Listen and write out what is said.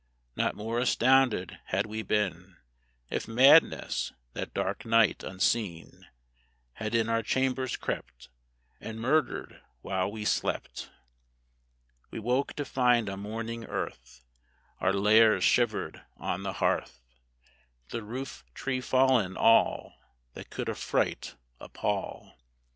Not more astounded had we been If Madness, that dark night, unseen, Had in our chambers crept, And murdered while we slept! We woke to find a mourning earth, Our Lares shivered on the hearth, The roof tree fallen, all That could affright, appall!